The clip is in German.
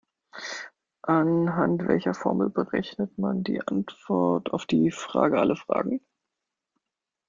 Anhand welcher Formel berechnet man die Antwort auf die Frage aller Fragen?